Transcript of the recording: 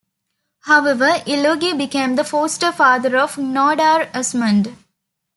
However, Illugi became the foster-father of Gnodar-Asmund.